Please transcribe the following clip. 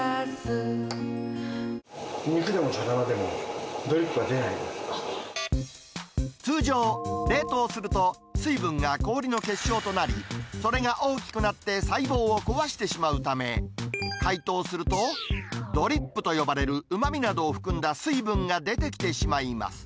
肉でも魚でも、ドリップが出通常、冷凍すると水分が氷の結晶となり、それが大きくなって細胞を壊してしまうため、解凍すると、ドリップと呼ばれるうまみなどを含んだ水分が出てきてしまいます。